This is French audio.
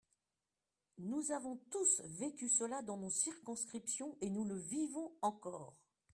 Nous avons tous vécu cela dans nos circonscriptions, et nous le vivons encore.